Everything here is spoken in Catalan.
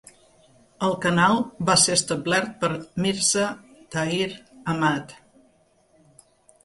El canal va ser establert per Mirza Tahir Ahmad.